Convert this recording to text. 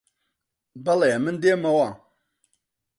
بەڵێ، من دێمەوە